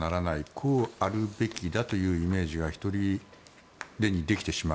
こうあるべきだというイメージがひとりでにできてしまう。